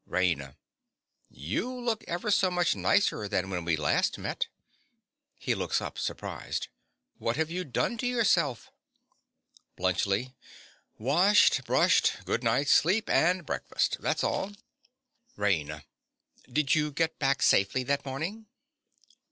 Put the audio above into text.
_) RAINA. You look ever so much nicer than when we last met. (He looks up, surprised.) What have you done to yourself? BLUNTSCHLI. Washed; brushed; good night's sleep and breakfast. That's all. RAINA. Did you get back safely that morning?